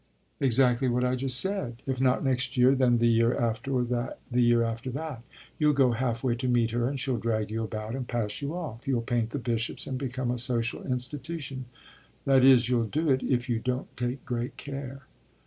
"Exactly what I just said; if not next year then the year after, or the year after that. You'll go halfway to meet her and she'll drag you about and pass you off. You'll paint the bishops and become a social institution. That is, you'll do it if you don't take great care."